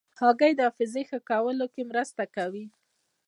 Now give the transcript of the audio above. هګۍ د حافظې ښه کولو کې مرسته کوي.